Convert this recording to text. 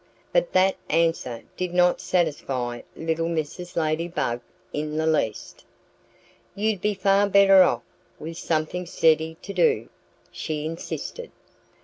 But that answer did not satisfy little Mrs. Ladybug in the least. "You'd be far better off with something steady to do," she insisted.